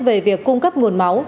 về việc cung cấp nguồn máu